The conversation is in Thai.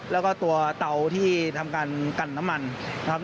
แล้วก็ตัวเตาที่ทำการกันน้ำมันนะครับ